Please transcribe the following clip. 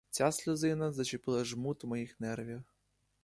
Ця сльозина зачепила жмут моїх нервів.